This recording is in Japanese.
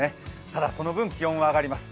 ただ、その分、気温は上がります。